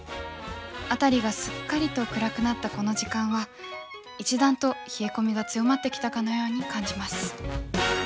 辺りがすっかりと暗くなったこの時間は一段と冷え込みが強まってきたかのように感じます。